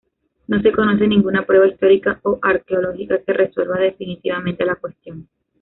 No se conoce ninguna prueba histórica o arqueológica que resuelva definitivamente la cuestión.